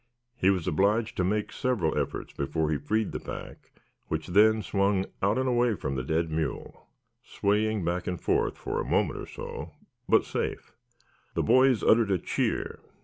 He was obliged to make several efforts before he freed the pack, which then swung out and away from the dead mule, swaying back and forth for a moment or so, but safe. The boys uttered a cheer.